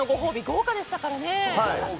豪華でしたからね。